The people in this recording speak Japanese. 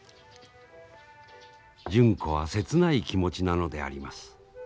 純子は切ない気持ちなのであります。